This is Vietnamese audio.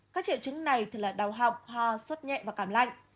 các triệu chứng này là đau họng hoa suốt nhẹ và cảm lạnh